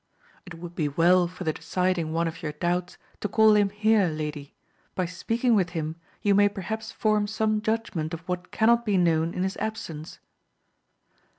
It would be well for the deciding one of your doubts, to call him here, lady ; by speaking with him you may perhaps form some judgment of what cannot be known in his absence.